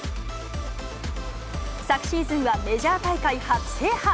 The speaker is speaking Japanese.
昨シーズンはメジャー大会初制覇。